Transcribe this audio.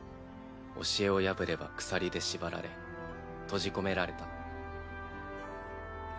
教えを破れば鎖で縛られ閉じ込められた。